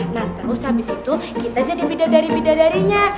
nah terus habis itu kita jadi bidadari bidadarinya